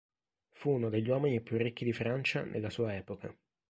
Fu uno degli uomini più ricchi di Francia nella sua epoca.